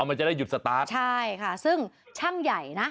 มันจะได้หยุดสตาร์ทใช่ค่ะซึ่งช่างใหญ่นะ